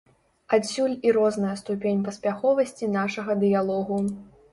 Адсюль і розная ступень паспяховасці нашага дыялогу.